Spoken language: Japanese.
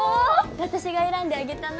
私が選んであげたの。